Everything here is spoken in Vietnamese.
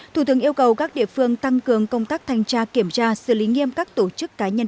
thủ tướng yêu cầu các địa phương tăng cường công tác thanh tra kiểm tra xử lý nghiêm các tổ chức cá nhân